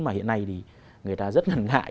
mà hiện nay thì người ta rất ngần ngại